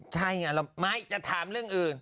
ใช่อะไม่จะถามเรื่องอื่น